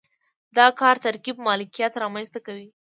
د کار ترکیب مالکیت رامنځته کوي.